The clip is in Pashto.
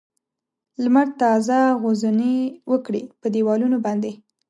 لمر تازه غځونې وکړې په دېوالونو باندې.